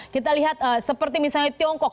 kita lihat seperti misalnya tiongkok